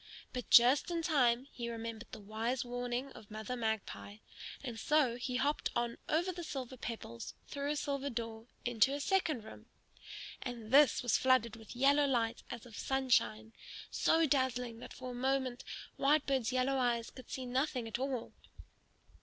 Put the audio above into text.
But just in time he remembered the wise warning of Mother Magpie; and so he hopped on over the silver pebbles through a silver door into a second room. And this was flooded with yellow light as of sunshine, so dazzling that for a moment Whitebird's yellow eyes could see nothing at all.